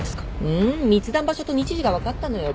密談場所と日時が分かったのよ。